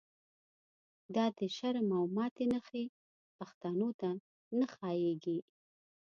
دا د شرم او ماتی نښی، پښتنو ته نه ښا ييږی